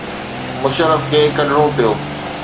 مشرف کي ڪڍڻو پيو.